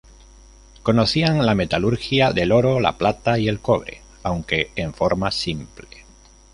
Conocían la metalurgia del oro, la plata y el cobre, aunque en forma simple.